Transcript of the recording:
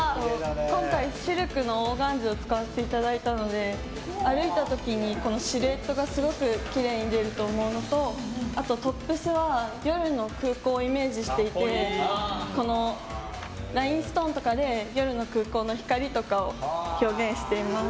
今回、シルクのオーガンジーを使わせていただいたので歩いた時にシルエットがすごくきれいに出ると思うのとトップスは夜の空港をイメージしていてこのラインストーンとかで夜の空港の光とかを表現しています。